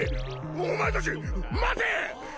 お前たち待て！